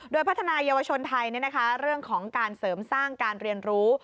โดยพัฒนายาวชนไทยเรื่องของการเสริมสร้างการเรียนรู้